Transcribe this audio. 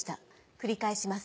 繰り返します。